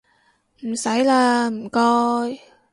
唔使喇唔該